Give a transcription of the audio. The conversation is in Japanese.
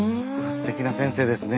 すてきな先生ですね。